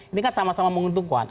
ini kan sama sama menguntungkan